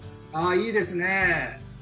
ああいいですね。